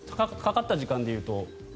かかった時間でいうと。